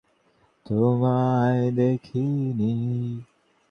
ব্রায়োফাইটার পুংজননাঙ্গের নাম কী?